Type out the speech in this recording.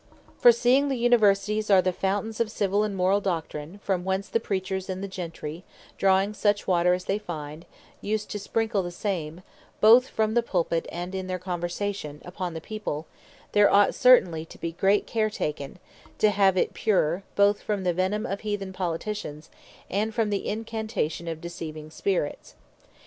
For seeing the Universities are the Fountains of Civill, and Morall Doctrine, from whence the Preachers, and the Gentry, drawing such water as they find, use to sprinkle the same (both from the Pulpit, and in their Conversation) upon the People, there ought certainly to be great care taken, to have it pure, both from the Venime of Heathen Politicians, and from the Incantation of Deceiving Spirits.